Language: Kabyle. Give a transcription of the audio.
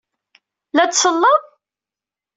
La d-selleḍ?